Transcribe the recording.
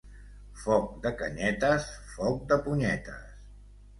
Foc de canyetes, foc de punyetes.